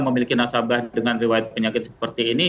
memiliki nasabah dengan riwayat penyakit seperti ini